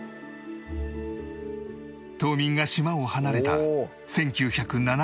島民が島を離れた１９７４年のまま